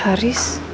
haris sama tanti